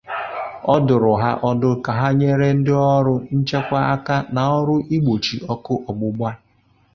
Ọ dụrụ ha ọdụ ka ha nyere ndị ọrụ nchekwa aka n'ọrụ igbochi ọkụ ọgbụgba